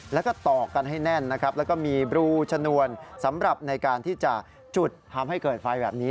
แล้วก็ต่อกันให้แน่นนะครับแล้วก็มีบรูชนวนสำหรับในการที่จะจุดทำให้เกิดไฟแบบนี้